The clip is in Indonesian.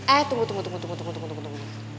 eh tunggu tunggu tunggu